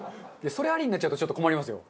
それありになっちゃうとちょっと困りますよ。